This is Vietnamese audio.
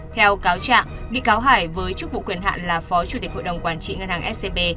theo cáo trạng bị cáo hải với chức vụ quyền hạn là phó chủ tịch hội đồng quản trị ngân hàng scb